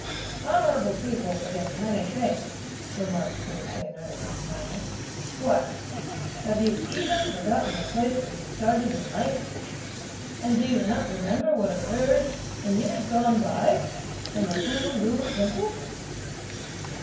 "Honourable people forget many things," remarked the Retainer, as he smiled. "What! Have you even forgotten the place where you started in life? and do you not remember what occurred, in years gone by, in the Hu Lu Temple?"